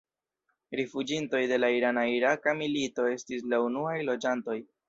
Rifuĝintoj de la irana-iraka milito estis la unuaj loĝantoj.